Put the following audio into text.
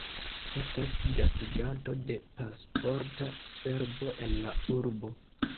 Estas gastiganto de Pasporta Servo en la urbo.